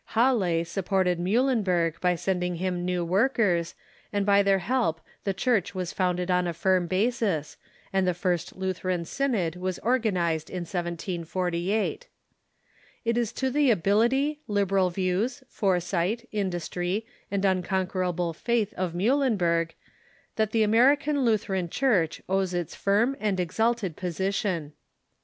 Halle supported Muhlenberg by sending him now workers, and by their help the Church Avas founded on a firm basis, and the first Lutheran synod was or ganized in 1748. It is to the ability, liberal views, foresight, industr}', and unconquerable faith of Muhlenberg that the American Lutheran Church owes its firm and exalted j^osition.